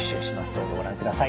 どうぞご覧ください。